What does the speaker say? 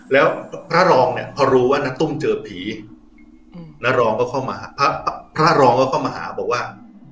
แล้วพระรองเนี่ยพอรู้ว่าณตุ้มเจอผีพระรองก็เข้ามาหาบอกว่า